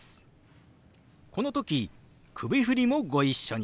この時首振りもご一緒に。